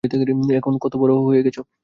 এখন কত বড় হয়ে গেছ!